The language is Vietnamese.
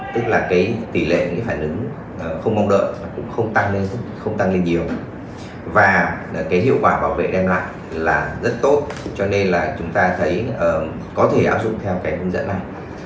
tức là cái tỷ lệ cái phản ứng không mong đợi nó cũng không tăng lên không tăng lên nhiều và cái hiệu quả bảo vệ đem lại là rất tốt cho nên là chúng ta thấy có thể áp dụng theo cái hướng dẫn này